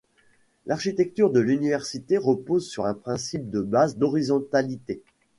L'architecture de l'université repose sur un principe de base d'horizontalité.